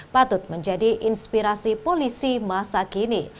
patut menjadi inspirasi polisi masa kini